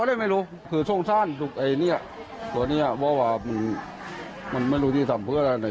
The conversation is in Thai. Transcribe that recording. ก็เลยไม่รู้คือทรงสั้นไอ้เนี้ยตัวเนี้ยเพราะว่ามันไม่รู้ที่ทำเพื่ออะไร